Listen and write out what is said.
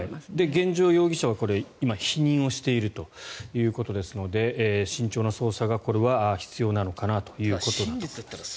現状、容疑者は否認をしているということなので慎重な捜査が必要なのかなということだと思います。